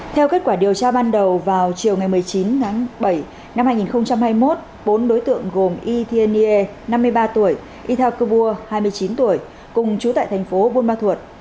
theo kết quả điều tra ban đầu vào chiều một mươi chín bảy hai nghìn hai mươi một bốn đối tượng gồm y thien nhiê năm mươi ba tuổi y thao cơ bua hai mươi chín tuổi cùng chú tại thành phố buôn ma thuột